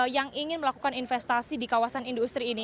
yang ingin melakukan investasi di kawasan industri ini